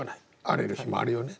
荒れる日もあるよね。